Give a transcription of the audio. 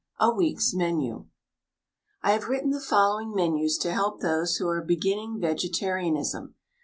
A WEEK'S MENU I have written the following menus to help those who are beginning vegetarianism.